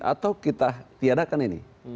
atau kita tiadakan ini